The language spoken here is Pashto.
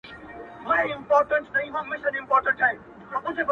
ملامت نۀ وه كۀ يى مخ كۀ يى سينه وهله,